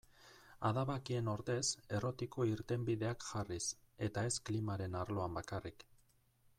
Adabakien ordez errotiko irtenbideak jarriz, eta ez klimaren arloan bakarrik.